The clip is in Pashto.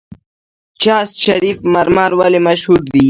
چشت شریف مرمر ولې مشهور دي؟